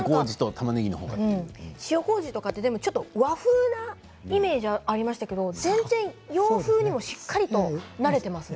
塩こうじは和風なイメージがありますけれど洋風にもしっかりとなっていますね。